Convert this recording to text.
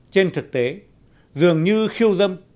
trên thực tế dường như khiêu dâm